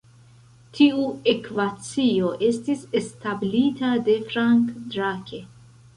Tiu ekvacio estis establita de Frank Drake.